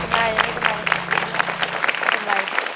ใช่ไหม